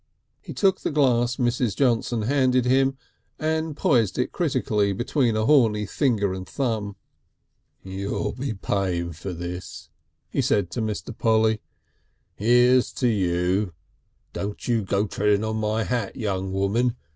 He took the glass Mrs. Johnson handed him, and poised it critically between a horny finger and thumb. "You'll be paying for this," he said to Mr. Polly. "Here's to you.... Don't you go treading on my hat, young woman.